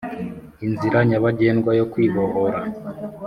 inzira nyabagendwa yo kwibohora